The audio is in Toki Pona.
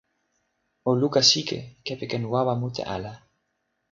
o luka sike kepeken wawa mute ala.